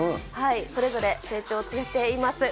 それぞれ成長を遂げています。